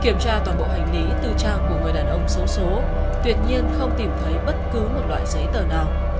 kiểm tra toàn bộ hành lý tư trang của người đàn ông xấu xố tuyệt nhiên không tìm thấy bất cứ một loại giấy tờ nào